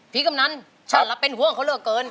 พี่กำนันฉันละเป็นห่วงเขาเลือกเกิน